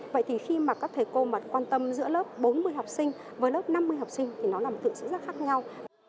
vậy thì khi mà các thầy cô mà quan tâm giữa lớp bốn mươi học sinh với lớp năm mươi học sinh thì nó làm tự xử ra khác nhau